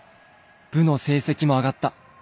部の成績も上がった。